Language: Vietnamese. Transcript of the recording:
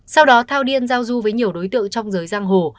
sau đó thao điên giao du với nhiều đối tượng trong giới giang hồ